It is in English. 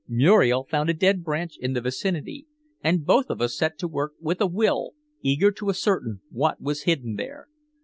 Muriel found a dead branch in the vicinity, and both of us set to work with a will, eager to ascertain what was hidden there.